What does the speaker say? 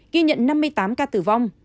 ghi nhận năm mươi tám ca tử vong